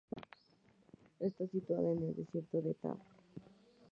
Está situada en el desierto de Thar.